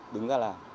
đứng ra là